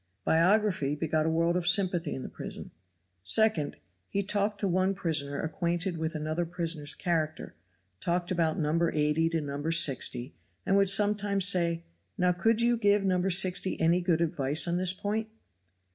Biography begot a world of sympathy in the prison. Second, he talked to one prisoner acquainted with another prisoner's character, talked about No. 80 to No. 60, and would sometimes say: "Now could you give No. 60 any good advice on this point?"